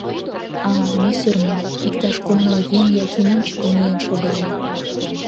— А-а, ме сӧрма! — иктаж кум-ныл еҥ Яким ончыко миен шогале.